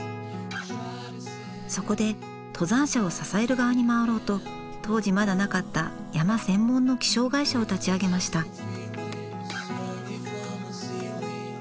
そこで登山者を支える側に回ろうと当時まだなかった山専門の気象会社を立ち上げました。